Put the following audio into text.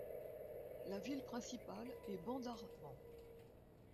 La ville principale est Bandarban.